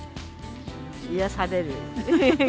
癒やされる。